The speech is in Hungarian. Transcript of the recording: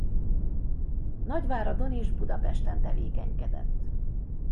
Nagyváradon és Budapesten tevékenykedett.